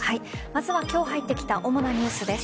まずは今日入ってきた主なニュースです。